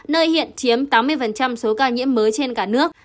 nơi hiện chiếm tám mươi số ca nhiễm mới trên cả nước